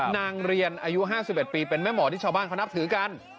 เรียนอายุ๕๑ปีเป็นแม่หมอที่ชาวบ้านเขานับถือกัน